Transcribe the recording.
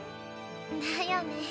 だよね。